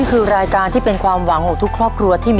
เกมท่ามีความรันฐาน